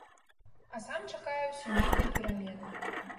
А сам чакае ўсё нейкай перамены.